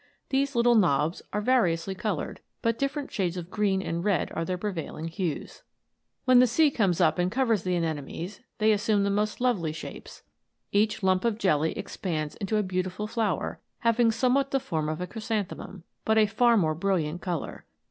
These little knobs are variously coloured, but diffe rent shades of green and red are their prevailing hues. When the sea comes up and covers the anemones * Actinia Mesembryanthemum. ANIMATED FLOWERS. 131 they assume the most lovely shapes. Each lump of jelly expands into a beautiful flower, having some what the form of a chrysanthemum, but a far more brilliant colour.